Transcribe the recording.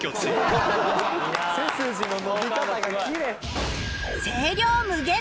背筋の伸び方がきれい！